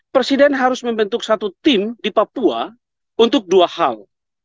presiden harus membentuk satu tim di papua untuk dua hal